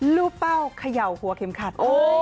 ลูกเป้าเขยาหัวเข็มขาด